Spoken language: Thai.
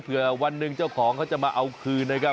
เพื่อวันหนึ่งเจ้าของเขาจะมาเอาคืนนะครับ